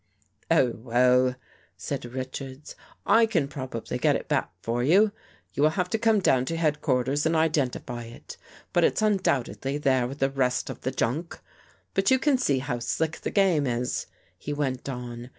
Oh, well," said Richards, " I can probably get it back for you. You will have to come down to headquarters and identify it. But it's undoubtedly there with the rest of the junk. But you can see how slick the game is," he went on.